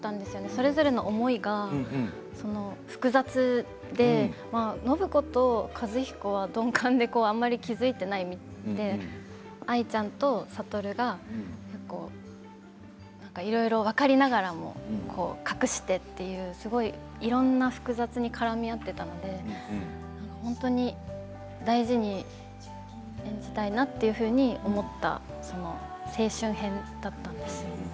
それぞれの思いが複雑で暢子と和彦は鈍感であまり気付いていないみたいで愛ちゃんと智がいろいろ分かりながらも隠してというすごいいろいろな複雑に絡み合っていたので本当に大事に演じたいなというふうに思った青春編だったんです。